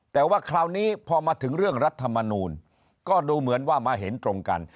แต่ว่าคราวนี้พอมาถึงเรื่องรัฐมนูลก็ดูเหมือนว่ามาเห็นตรงกัน